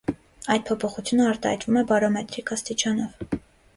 Այդ փոփոխությունը արտահայտվում է բարոմետիկ աստիճանով։